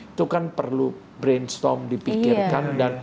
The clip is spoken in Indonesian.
itu kan perlu brainstom dipikirkan